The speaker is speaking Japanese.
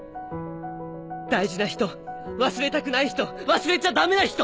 大事な人忘れたくない人忘れちゃダメな人！